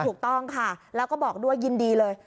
ถูกต้องค่ะแล้วก็บอกด้วยยินดีเลย